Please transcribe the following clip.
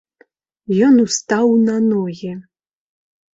Ён устаў на ногі.